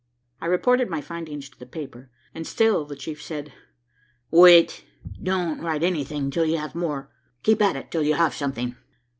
I reported my findings to the paper, and still the chief said, "Wait! Don't write anything till you have more. Keep at it till you have something."